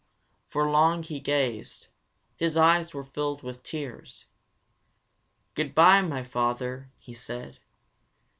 For long he gazed. His eyes were filled with tears. "Good bye, my father," he said.